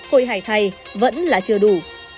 hội hải thầy vẫn là chưa đủ